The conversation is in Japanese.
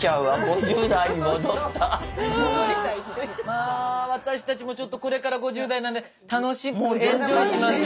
まあ私たちもちょっとこれから５０代なんで楽しくエンジョイします。